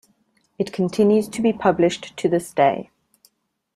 It continues to be published to this day.